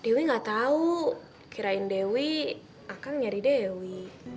dewi gak tahu kirain dewi akang nyari dewi